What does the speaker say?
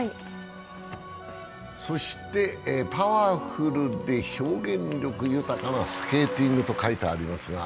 そしてパワフルで表現力豊かなスケーティングと書いてあります。